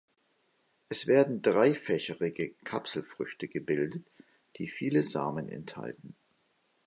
Es werden dreifächerige Kapselfrüchte gebildet, die viele Samen enthalten.